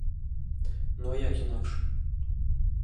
Ну а як інакш?